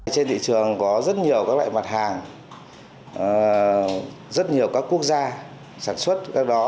trên thị trường có rất nhiều các loại mặt hàng rất nhiều các quốc gia sản xuất các đó